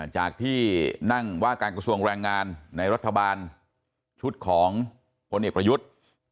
จากที่นั่งว่าการกระทรวงแรงงานในรัฐบาลชุดของพลเอกประยุทธ์